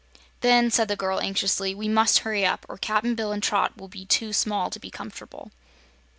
"Then," said the girl anxiously, "we must hurry up, or Cap'n Bill an' Trot will get too small to be comf'table."